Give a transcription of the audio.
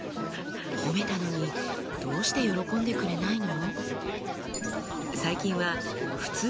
褒めたのにどうして喜んでくれないの？